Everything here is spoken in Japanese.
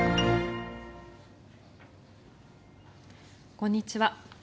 こんにちは。